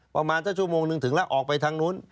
ประมาณสักชั่วโมงนึงถึงแล้วออกไปทางนู้น